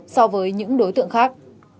so với những đối tượng khác